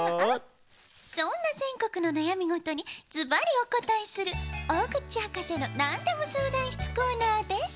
そんなぜんこくのなやみごとにズバリおこたえする「大口博士のなんでも相談室」コーナーです。